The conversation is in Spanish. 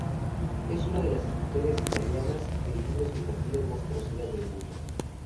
Es una de las escritoras italianas de libros infantiles más conocidas del mundo.